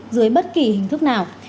dưới bất kỳ hình thức nào